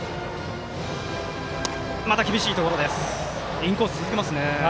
インコース、続けますね。